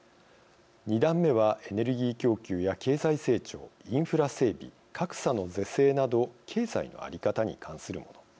２段目は、エネルギー供給や経済成長、インフラ整備格差の是正など経済の在り方に関するもの。